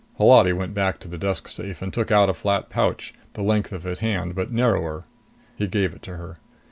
Holati went back to the desk safe and took out a flat pouch, the length of his hand but narrower. He gave it to her.